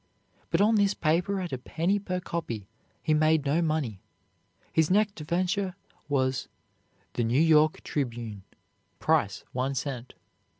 But on this paper at a penny per copy he made no money. His next venture was "The New York Tribune," price one cent.